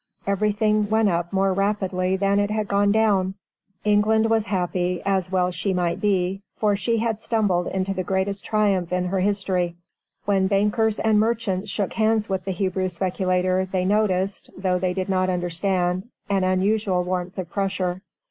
Everything went up more rapidly than it had gone down. England was happy as well she might be for she had stumbled into the greatest triumph in her history. When bankers and merchants shook hands with the Hebrew speculator, they noticed though they did not understand an unusual warmth of pressure.